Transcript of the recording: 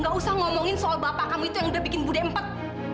gak usah ngomongin soal bapak kamu itu yang udah bikin bude empet